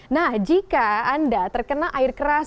nah jika anda terkena air keras